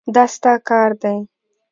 دا ستا کار دی.